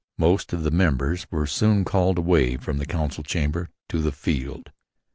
Most of the members were soon called away from the council chamber to the field.